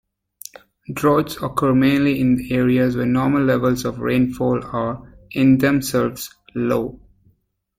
Droughts occur mainly in areas where normal levels of rainfall are, in themselves, low.